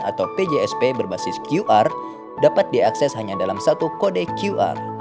atau pjsp berbasis qr dapat diakses hanya dalam satu kode qr